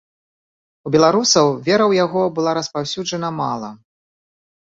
У беларусаў вера ў яго была распаўсюджана мала.